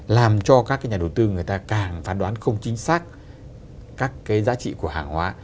làm cho các cái nhà đầu tư người ta càng phán đoán không chính xác các cái giá trị của hàng hóa